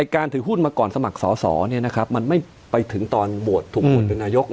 การถือหุ้นมาก่อนสมัครสอสอนะครับมันไม่ไปถึงตอนถูกบวชดุลายก